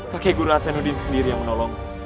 kakek guru hasanuddin sendiri yang menolong